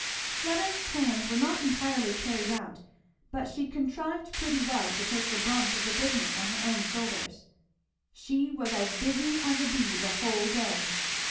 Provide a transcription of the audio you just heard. Fleda's plans were not entirely carried out, but she contrived pretty well to take the brunt of the business on her own shoulders. She was as busy as a bee the whole day.